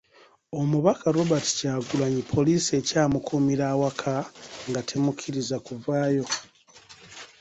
Omubaka Robert Kyagulanyi, poliisi ekyamukuumira awaka nga temukkiriza kuvaayo.